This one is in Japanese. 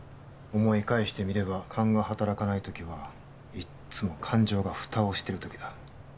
思い返してみれば勘が働かないときはいっつも感情がフタをしてるときだ